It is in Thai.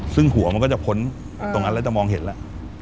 ซึ่งหัวมันก็จะพ้นตรงนั้นแล้วจะมองเห็นแล้ว